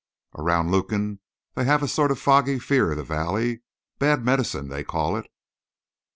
Around Lukin they have a sort of foggy fear of the valley, bad medicine, they call it.